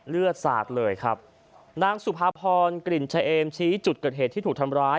เลือดสาดเลยครับนางสุภาพรกลิ่นเฉเอมชี้จุดเกิดเหตุที่ถูกทำร้าย